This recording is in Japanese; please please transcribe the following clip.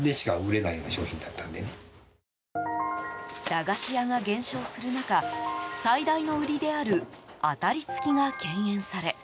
駄菓子屋が減少する中最大の売りである当たり付きが敬遠され